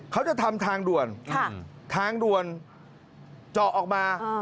เขาจะทำทางด่วนทางด่วนเจาะออกมา